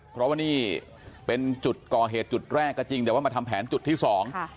เพราะว่านี่เป็นจุดก่อเหตุจุดแรกก็จริงแต่ว่ามาทำแผนจุดที่สอง